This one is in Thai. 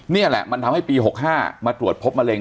นี่แหละมันทำให้ปี๖๕มาตรวจพบมะเร็